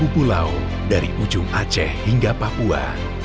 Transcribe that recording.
tujuh pulau dari ujung aceh hingga papua